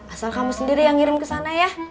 asal kamu sendiri yang ngirim kesana ya